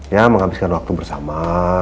ya menghabiskan waktu bersama